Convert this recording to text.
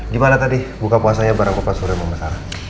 gimana tadi buka puasanya bareng kawan sore sama masalah